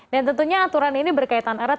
dan tentunya aturan ini berkaitan erat